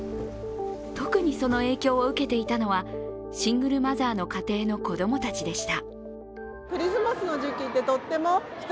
特にその影響を受けていたのはシングルマザーの家庭の子供たちでした。